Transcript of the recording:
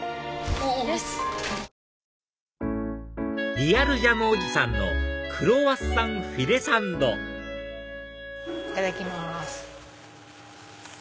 リアルジャムおじさんのクロワッサンフィレサンドいただきます。